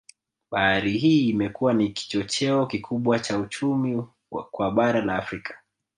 Bahari hii imekuwa ni kichocheo kikubwa cha uchumi kwa bara la Afrika